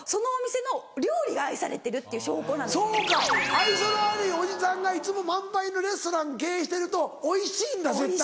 愛想の悪いおじさんがいつも満杯のレストラン経営してるとおいしいんだ絶対。